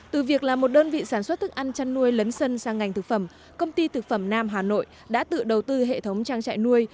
từ việc là một đơn vị sản xuất thức ăn chăn nuôi lấn sân sang ngành thực phẩm công ty thực phẩm nam hà nội đã tự đầu tư hệ thống trang trại nuôi